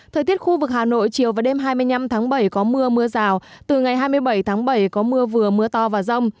thời tiết khu vực hà nội chiều và đêm hai mươi năm tháng bảy có mưa mưa rào từ ngày hai mươi bảy tháng bảy có mưa vừa mưa to và rông